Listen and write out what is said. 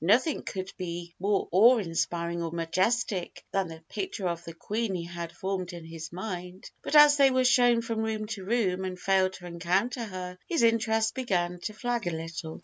Nothing could be more awe inspiring or majestic than the picture of the Queen he had formed in his mind; but as they were shown from room to room and failed to encounter her, his interest began to flag a little.